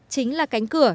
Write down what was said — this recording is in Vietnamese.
chính là cánh cưu